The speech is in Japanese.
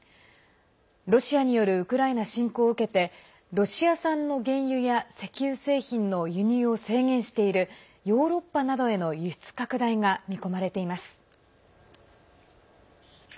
ロシアによるウクライナ侵攻を受けてロシア産の原油や石油製品の輸入を制限しているヨーロッパなどへの輸出拡大が見込まれています。